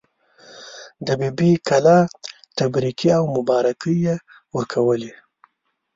د بي بي کلا تبریکې او مبارکۍ یې ورکولې.